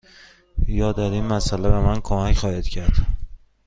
یا در این مسأله به من کمک خواهید کرد؟